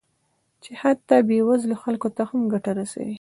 چې حتی بې وزلو خلکو ته هم ګټه رسوي